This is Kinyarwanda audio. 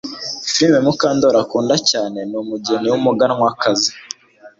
Filime Mukandoli akunda cyane ni Umugeni wumuganwakazi